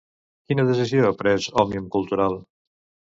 Quina decisió ha pres Òmnium Cultural?